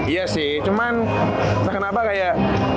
iya sih cuman kenapa kayak